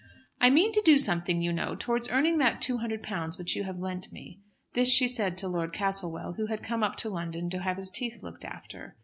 "I mean to do something, you know, towards earning that £200 which you have lent me." This she said to Lord Castlewell, who had come up to London to have his teeth looked after.